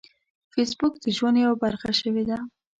فېسبوک د ژوند یوه برخه شوې ده